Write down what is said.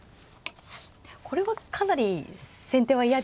これはかなり先手は嫌ですよね。